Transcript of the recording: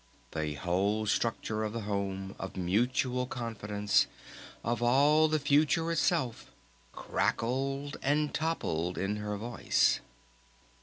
The whole structure of the home, of mutual confidence, of all the Future itself, crackled and toppled in her voice.